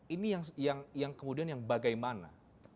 ini yang kemudian yang bagaimana